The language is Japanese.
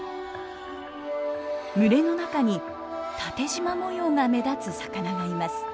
群れの中に縦じま模様が目立つ魚がいます。